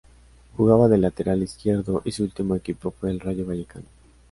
Jugaba de lateral izquierdo y su último equipo fue el Rayo Vallecano.